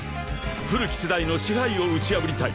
［古き世代の支配をうち破りたい］